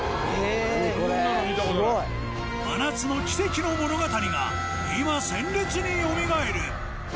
真夏の奇跡の物語が今鮮烈によみがえる！